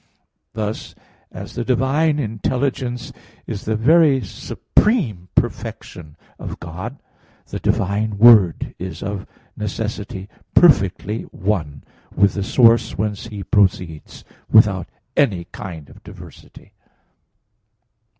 Thus, as the divine intelligence is the very supreme perfection of God (Q. 14, A. 2), the divine Word is of necessity perfectly one with the source whence He proceeds, without any kind of diversity.